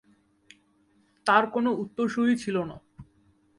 তার কোন উত্তরসূরী ছিলো না।